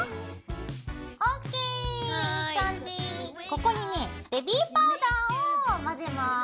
ここにねベビーパウダーを混ぜます。